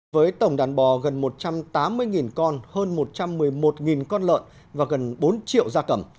với tổng đàn bò gần một trăm tám mươi con hơn một trăm một mươi một con lợn và gần bốn triệu da cầm